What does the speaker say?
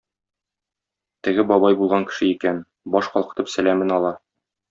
Теге бабай булган кеше икән, баш калкытып сәламен ала.